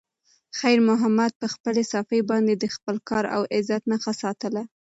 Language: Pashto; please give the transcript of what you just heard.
خیر محمد په خپلې صافې باندې د خپل کار او عزت نښه ساتله.